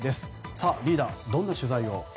さあ、リーダー、どんな取材を？